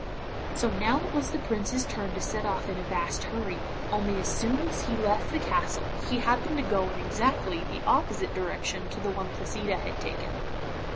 So now it was the Prince's turn to set off in a vast hurry, only as soon as he left the Castle he happened to go in exactly the opposite direction to the one Placida had taken.